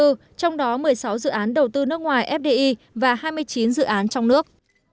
trong đó một mươi sáu dự án đầu tư nước ngoài fdi và hai mươi chín dự án trong nước